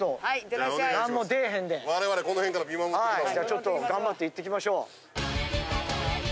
はいじゃあちょっと頑張って行って来ましょう。